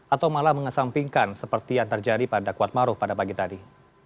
atau malah mengesampingkan seperti yang terjadi pada kuat maruf pada pagi tadi